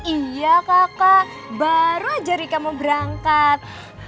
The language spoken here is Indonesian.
iya kakak baru aja rika mau berangkat